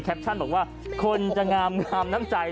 แคปชั่นบอกว่าคนจะงามงามน้ำใจ